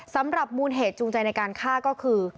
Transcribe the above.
สำหรับมูลเหตุจูงใจในการฆ่าก็คือ